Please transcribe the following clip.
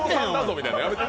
みたいなのやめて。